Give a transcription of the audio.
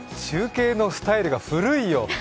中継のスタイルが古いよ。